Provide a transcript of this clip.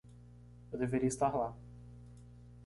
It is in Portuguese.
Eu deveria estar lá.